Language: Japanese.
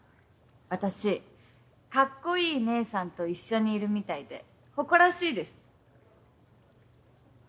私カッコイイ姉さんと一緒にいるみたいで誇らしいです。